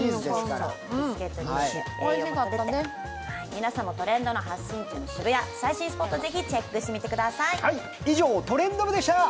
皆さんもトレンドの発信地の渋谷、最新スポットをぜひチェックしてみてください。